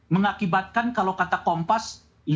mengakibatkan kalau kata kompas